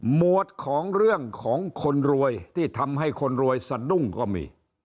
หวดของเรื่องของคนรวยที่ทำให้คนรวยสะดุ้งก็มี